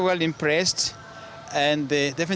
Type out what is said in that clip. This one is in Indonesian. jadi saya sangat terkesan